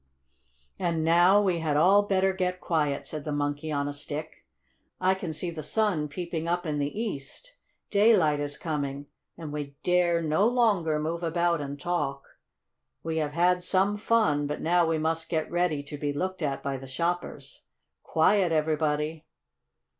"And now we had all better get quiet," said the Monkey on a Stick. "I can see the sun peeping up in the east. Daylight is coming, and we dare no longer move about and talk. We have had some fun, but now we must get ready to be looked at by the shoppers. Quiet, everybody!"